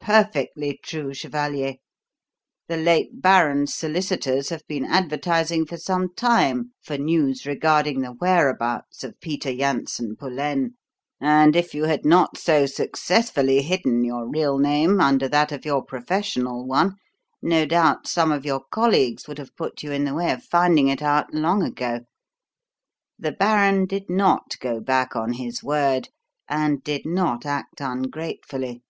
"Perfectly true, chevalier. The late baron's solicitors have been advertising for some time for news regarding the whereabouts of Peter Janssen Pullaine, and if you had not so successfully hidden your real name under that of your professional one, no doubt some of your colleagues would have put you in the way of finding it out long ago. The baron did not go back on his word and did not act ungratefully.